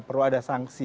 perlu ada sanksi